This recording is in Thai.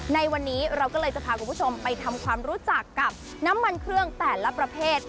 ในวันนี้เราก็เลยจะพาคุณผู้ชมไปทำความรู้จักกับน้ำมันเครื่องแต่ละประเภท